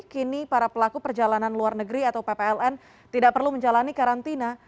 kini para pelaku perjalanan luar negeri atau ppln tidak perlu menjalani karantina